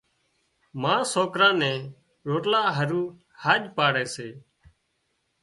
ما سوڪران نين روٽلا هارُو هاڄ پاڙي سي۔